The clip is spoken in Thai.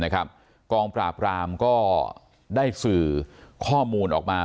กองปราบรามก็ได้สื่อข้อมูลออกมา